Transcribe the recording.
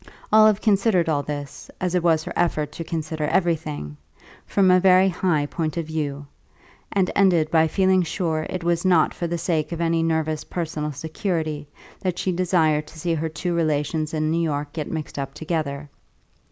Olive considered all this, as it was her effort to consider everything, from a very high point of view, and ended by feeling sure it was not for the sake of any nervous personal security that she desired to see her two relations in New York get mixed up together.